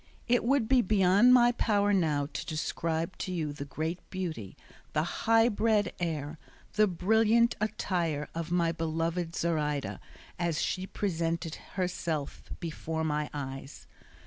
It would be beyond my power now to describe to you the great beauty, the high bred air, the brilliant attire of my beloved Zoraida as she presented herself before my eyes.